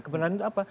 kebenaran itu apa